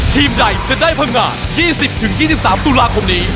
ทีมใดจะได้พังงา๒๐๒๓ตุลาคมนี้